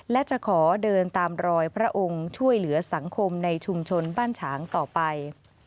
และจะขอเดินตามรอยพระองค์ช่วยเหลือสังคมในชุมชนบ้านฉางต่อไป